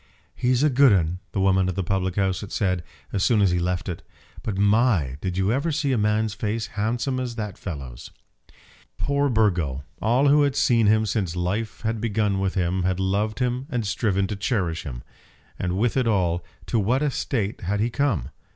"He's a good un," the woman at the public house had said as soon as he left it; "but, my! did you ever see a man's face handsome as that fellow's?" [Illustration: Burgo Fitzgerald.] Poor Burgo! All who had seen him since life had begun with him had loved him and striven to cherish him. And with it all, to what a state had he come!